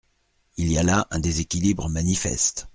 Il y a là un déséquilibre manifeste.